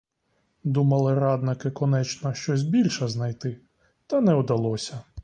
Думали радники конечно щось більше знайти, та не удалося.